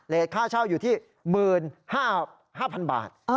ค่าเช่าอยู่ที่๑๕๐๐๐บาท